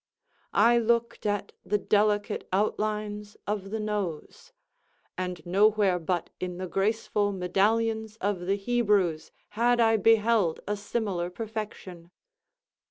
I looked at the delicate outlines of the nose—and nowhere but in the graceful medallions of the Hebrews had I beheld a similar perfection.